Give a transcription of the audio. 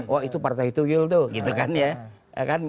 wah itu partai tuyul tuh gitu kan ya